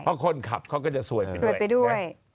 เพราะคนขับเขาก็จะสวยไปด้วย